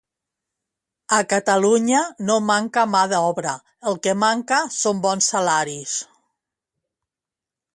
A Catalunya no manca mà d'obra el que manca són bons salaris